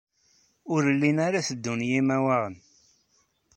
Ur llin ara tteddun yimawaɣen.